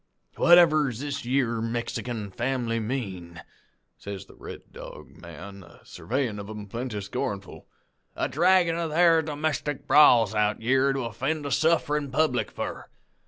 "'Whatever does this yere Mexican fam'ly mean,' says the Red Dog man, a surveyin' of 'em plenty scornful, 'a draggin' of their domestic brawls out yere to offend a sufferin' public for?